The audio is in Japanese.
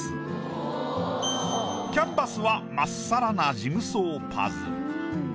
キャンバスはまっさらなジグソーパズル。